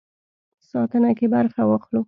ساتنه کې برخه واخلو.